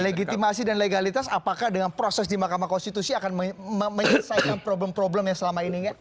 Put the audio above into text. legitimasi dan legalitas apakah dengan proses di mahkamah konstitusi akan menyelesaikan problem problem yang selama ini